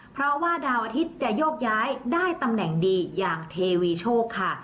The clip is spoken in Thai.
เพราะว่าดาวอาทิตย์จะโยกย้ายได้ตำแหน่งดีอย่างเทวีโชคค่ะ